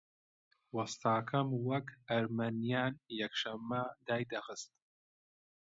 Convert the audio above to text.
وەستاکەم وەک ئەرمەنییان یەکشەممە دایدەخست